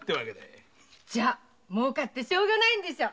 じゃあ儲かってしょうがないんでしょ。